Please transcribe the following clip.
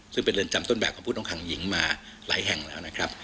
ซึ่งเป็นเรือนจำต้นแบบของผู้ต้องขังหญิงมาหลายแห่งแล้วนะครับ